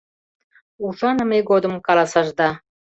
Ушаныме годым каласашда.